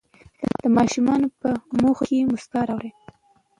د ماشومانو په مخونو کې مسکا راولئ.